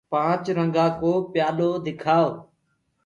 پآنچ رنگآ ڪو پيآ لو دکآئو